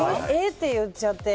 って言っちゃって。